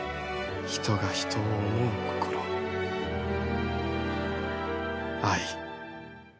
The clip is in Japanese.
人が人を思う心愛。